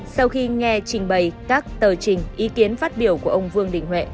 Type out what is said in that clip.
sau khi nghe trình bày các tờ trình ý kiến phát biểu của ông vương đình huệ